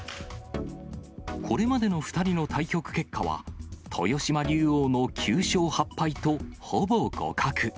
これまでの２人の対局結果は、豊島竜王の９勝８敗とほぼ互角。